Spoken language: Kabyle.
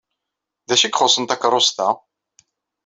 D acu ay ixuṣṣen takeṛṛust-a?